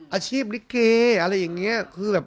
อาชีพลิเกอะไรอย่างเงี้ย